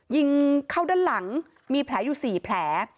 ยิงเข้าด้านหลังมีแผลอยู่๔แผล